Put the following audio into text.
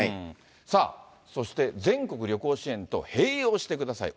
さあ、そして全国旅行支援と併用してください。